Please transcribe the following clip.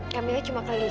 kak mila cuma kelipat aja